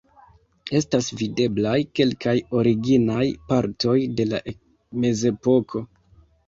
Estas videblaj kelkaj originaj partoj el la mezepoko.